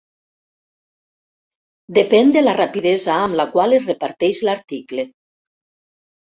Depèn de la rapidesa amb la qual es reparteix l'article.